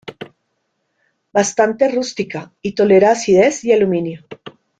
Bastante rústica, y tolera acidez y aluminio.